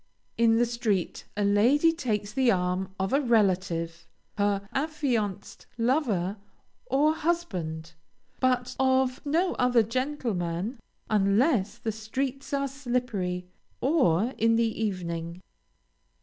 In the street a lady takes the arm of a relative, her affianced lover, or husband, but of no other gentleman, unless the streets are slippery, or in the evening.